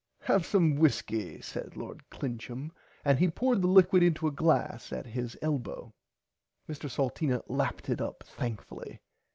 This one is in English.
Have some whiskey said lord Clincham and he poured the liquid into a glass at his [Pg 54] elbow. Mr. Salteena lapped it up thankfully.